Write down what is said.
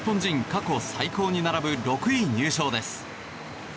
過去最高に並ぶ６位入賞です。